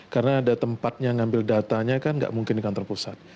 karena ada tempat yang ambil datanya kan nggak mungkin di kantor pusat